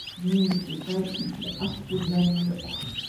Минең бит ике ай итле аш күргәнем юҡ!